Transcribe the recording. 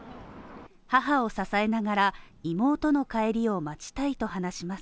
母を支えながら妹の帰りを待ちたいと話します。